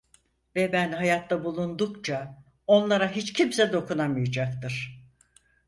Ve ben hayatta bulundukça onlara hiç kimse dokunamayacaktır.